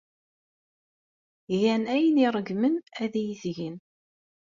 Gan ayen ay ṛeggmen ad iyi-t-gen.